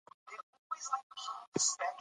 انا په خپل یوازیتوب کې د ماشوم بې گناهۍ ته ژاړي.